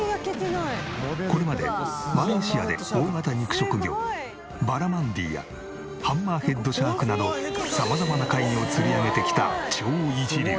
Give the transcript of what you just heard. これまでマレーシアで大型肉食魚バラマンディやハンマーヘッドシャークなど様々な怪魚を釣り上げてきた超一流。